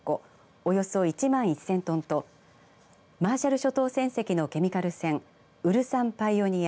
およそ１万１０００トンとマーシャル諸島船籍のケミカル船ＵＬＳＡＮＰＩＯＮＥＥＲ